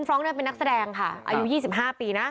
ฟร้องเนี่ยเป็นนักแสดงค่ะอายุยี่สิบห้าปีนะ